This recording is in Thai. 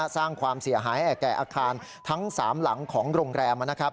สร้างความเสียหายแก่อาคารทั้ง๓หลังของโรงแรม